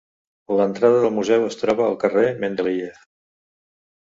L'entrada del museu es troba al carrer Mendeléiev.